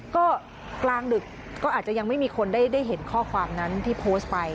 ก็กลางดึกก็อาจจะยังไม่มีคนได้เห็นข้อความนั้นที่โพสต์ไป